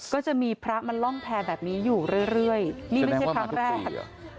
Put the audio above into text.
ก็จะมีพระมาล่องแพร่แบบนี้อยู่เรื่อยนี่ไม่ใช่ครั้งแรก